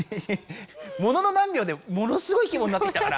ものの何びょうでものすごいきぼになってきたから。